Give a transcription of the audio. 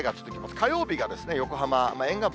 火曜日が横浜、沿岸部